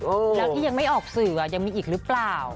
แล้วที่ยังไม่ออกสื่อยังมีอีกหรือเปล่า